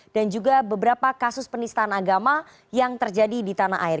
dan juga beberapa kasus penistaan agama yang terjadi di tanah air